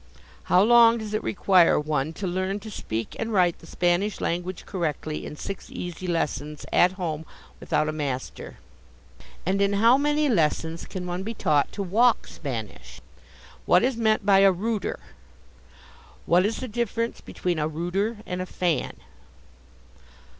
How long does it require one to learn to speak and write the Spanish language correctly in six easy lessons, at home, without a master? And in how many lessons can one be taught to walk Spanish? What is meant by a "rooter"? What is the difference between a "rooter" and a "fan"?